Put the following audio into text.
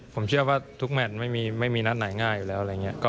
ผมเชื่อว่าทุกแมนท์นอกไม่มีนัดแหน่งง่ายอยู่แล้ว